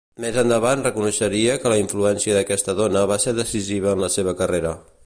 Més endavant reconeixeria que la influència d’aquesta dona va ser decisiva en la seva carrera.